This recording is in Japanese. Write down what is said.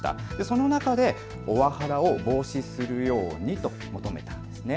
その中でオワハラを防止するようにと求めたんです。